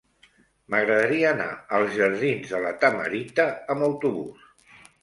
M'agradaria anar als jardins de La Tamarita amb autobús.